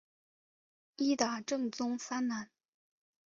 伊达政宗三男。